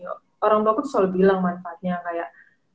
orang tua selalu bilang manfaatnya kayak